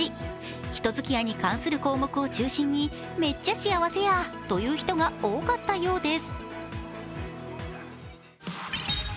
人づきあいに関する項目を中心にめっちゃ幸せやという人が多かったようです。